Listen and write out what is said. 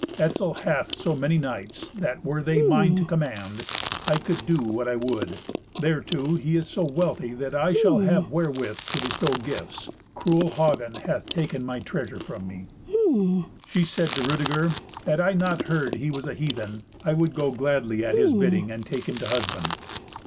Etzel hath so many knights that, were they mine to command, I could do what I would. Thereto, he is so wealthy that I shall have wherewith to bestow gifts. Cruel Hagen hath taken my treasure from me." She said to Rudeger, "Had I not heard he was a heathen, I would go gladly at his bidding, and take him to husband."